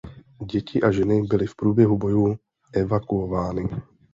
Děti a ženy byly v průběhu bojů evakuovány.